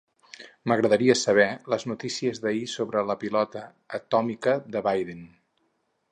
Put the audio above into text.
M'agradaria saber les notícies d'ahir sobre la pilota atòmica de Biden.